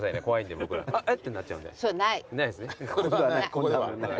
ここではない？